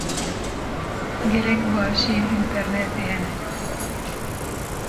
Gelek başiyên înternetê hene.